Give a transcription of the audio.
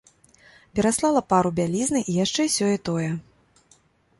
Пераслала пару бялізны і яшчэ сёе-тое.